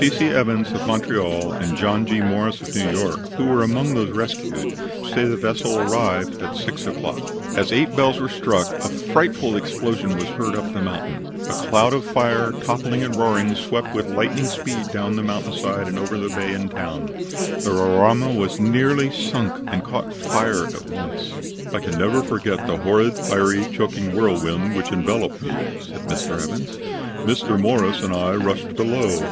C. C. Evans, of Montreal, and John G. Morris, of New York, who were among those rescued, say the vessel arrived at 6 o'clock. As eight bells were struck a frightful explosion was heard up the mountain. A cloud of fire, toppling and roaring, swept with lightning speed down the mountain side and over the town and bay. The Roraima was nearly sunk, and caught fire at once. "I can never forget the horrid, fiery, choking whirlwind which enveloped me," said Mr. Evans. "Mr. Morris and I rushed below.